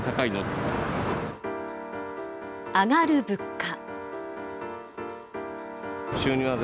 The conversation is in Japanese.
上がる物価。